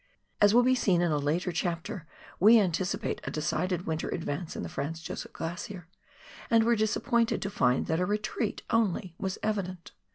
As will be seen in a later chapter, we anticipated a decided winter advance in the Franz Josef Glacier and were disap pointed to find that a retreat only was evident.